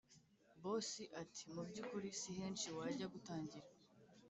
boss ati”mubyukuri si henshi wajya gutangira